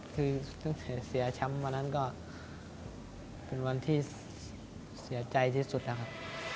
คือตั้งแต่เสียแชมป์วันนั้นก็เป็นวันที่เสียใจที่สุดนะครับ